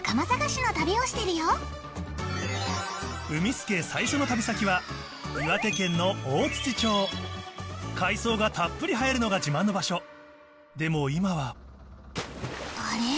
スケ最初の旅先は岩手県の大町海藻がたっぷり生えるのが自慢の場所でも今はあれ？